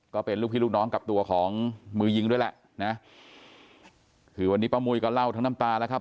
ก็เป็นลูกพี่ลูกน้องกับตัวของมือยิงด้วยแหละนะคือวันนี้ป้ามุยก็เล่าทั้งน้ำตาแล้วครับ